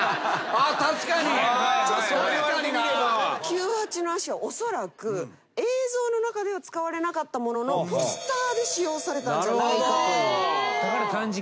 キュウハチの足はおそらく映像の中では使われなかったもののポスターで使用されたんじゃないかという。